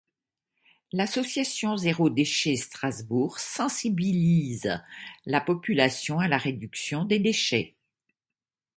L'association Zéro déchet Strasbourg sensibilise la population à la réduction des déchets.